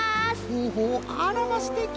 ほうほうあらますてき！